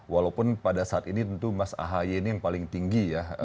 walaupun pada saat ini tentu mas ahaye ini yang paling tinggi ya